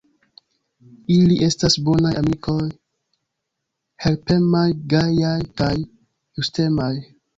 Ili estas bonaj amikoj, helpemaj, gajaj kaj justemaj.